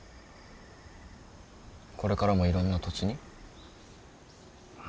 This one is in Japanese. これからもいろんな土地に？